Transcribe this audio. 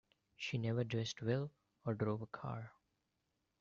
She never dressed well or drove a car.